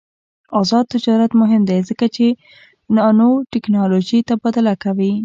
آزاد تجارت مهم دی ځکه چې نانوټیکنالوژي تبادله کوي.